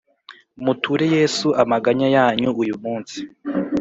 Muture Yesu amaganya yanyu uyu munsi,